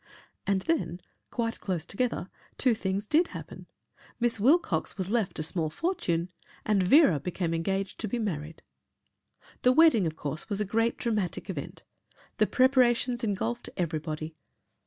And then, quite close together, two things did happen. Miss Wilcox was left a small fortune and Vera became engaged to be married. The wedding, of course, was a great dramatic event. The preparations engulfed everybody.